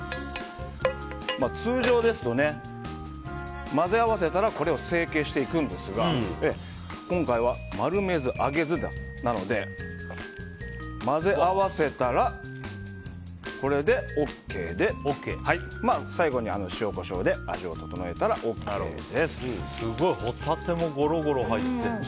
通常ですと、混ぜ合わせたらこれを成形していくんですが今回は丸めず揚げずなので混ぜ合わせたら、これでＯＫで最後に塩、コショウで味を調えたらすごいホタテもゴロゴロ入って。